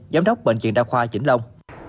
giám đốc bệnh viện đa khoa vĩnh long